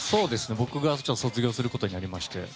僕が卒業することになりまして。